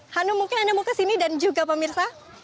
hanu mungkin anda mau kesini dan juga pemirsa